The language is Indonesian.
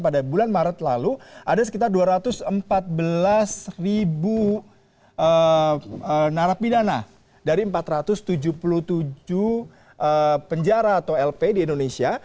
pada bulan maret lalu ada sekitar dua ratus empat belas ribu narapidana dari empat ratus tujuh puluh tujuh penjara atau lp di indonesia